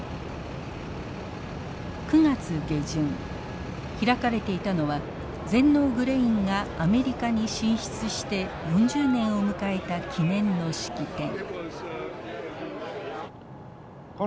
９月下旬開かれていたのは全農グレインがアメリカに進出して４０年を迎えた記念の式典。